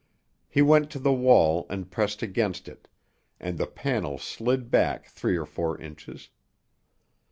He went to the wall and pressed against it, and the panel slid back three or four inches.